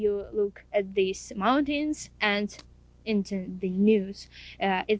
ketika anda melihat pulau ini dan melihat berita itu terlihat tidak nyata